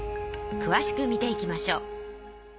くわしく見ていきましょう。